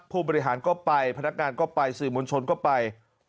ผู้บริหารก็ไปพนักงานก็ไปสื่อมวลชนก็ไป